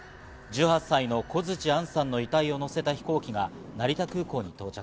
１８歳の小槌杏さんの遺体を乗せた飛行機が成田空港に到着。